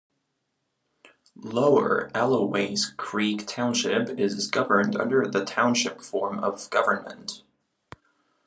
Lower Alloways Creek Township is governed under the Township form of government.